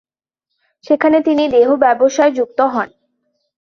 সেখানে তিনি দেহব্যবসায় যুক্ত হন।